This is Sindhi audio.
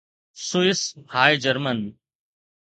سوئس هاء جرمن